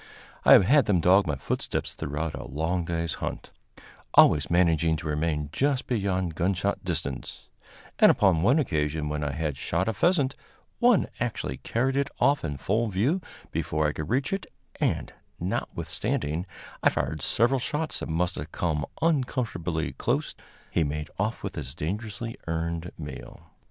I have had them dog my footsteps throughout a long day's hunt, always managing to remain just beyond gunshot distance; and upon one occasion, when I had shot a pheasant, one actually carried it off in full view before I could reach it, and, notwithstanding I fired several shots that must have come uncomfortably close, he made off with his dangerously earned meal.